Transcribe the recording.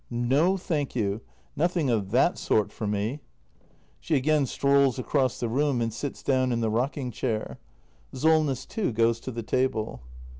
No, thank you — nothing of that sort for m e . [She again strolls across the room, and sits down in the rocking chair. Solness too goes to the table.